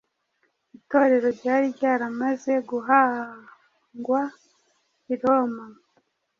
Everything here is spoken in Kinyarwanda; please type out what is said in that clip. Itorero ryari ryaramaze guhangwa i Roma;